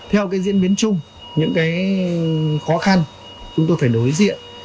theo cái diễn biến chung những cái khó khăn chúng tôi phải đối diện